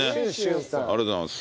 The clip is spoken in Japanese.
ありがとうございます。